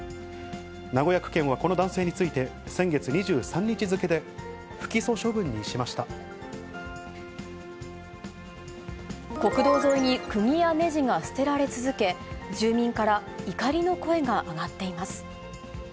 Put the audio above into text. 名古屋区検はこの男性について、先月２３日付で不起訴処分にしま国道沿いにくぎやねじが捨てられ続け、住民から怒りの声が上がっています。